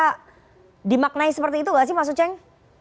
bisa dimaknai seperti itu gak sih mas uceng